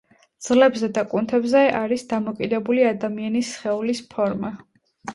ძვლებზე და კუნთებზე არის დამოკიდებული ადამიანის სხეულის ფორმა.